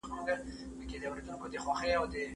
همدا هغه فورمول دی چې کلونه وړاندې هم کارول شوی